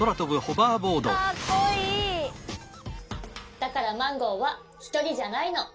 だからマンゴーはひとりじゃないの。